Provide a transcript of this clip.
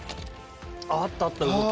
ああったあった動き。